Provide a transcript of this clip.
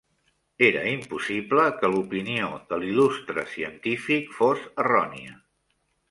Era impossible que l'opinió de l'il·lustre científic fos errònia.